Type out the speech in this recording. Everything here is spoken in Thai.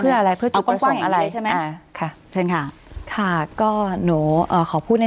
เพื่ออะไรเพื่อจุดประสงค์อะไร